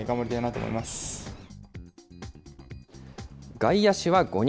外野手は５人。